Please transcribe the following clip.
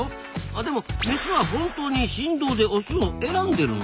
でもメスは本当に振動でオスを選んでるの？